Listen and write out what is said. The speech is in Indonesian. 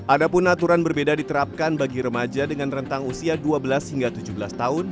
adapun aturan berbeda diterapkan bagi remaja dengan rentang usia dua belas hingga tujuh belas tahun